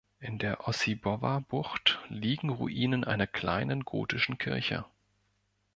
In der Osibova-Bucht liegen Ruinen einer kleinen gotischen Kirche.